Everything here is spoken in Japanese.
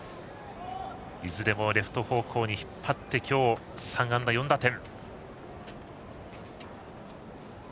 いずれもレフト方向に引っ張って今日３安打４打点。